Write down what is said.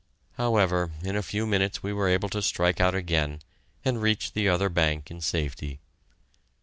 However, in a few minutes we were able to strike out again, and reached the other bank in safety.